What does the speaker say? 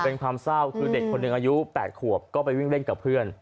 เป็นความเศร้าคือเด็กคนหนึ่งอายุ๘ขวบก็ไปวิ่งเล่นกับเพื่อน